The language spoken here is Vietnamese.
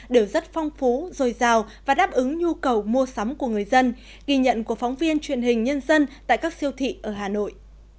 đều rất phong phú dồi dào và đáp ứng nhu cầu mua sắm của người dân ghi nhận của phóng viên truyền hình nhân dân tại các siêu thị ở hà nội